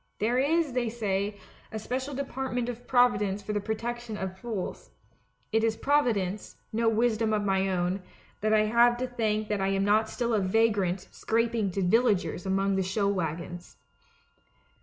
There is, they say, a special department of Providence for the protection of fools; it is Providence, no wisdom of my own, I have to thank that I am not still a vagrant scraping to villagers among the show wagons.